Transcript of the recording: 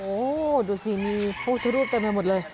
โหดูสีนี้พูดจะรูปเต็มไปหมดเลย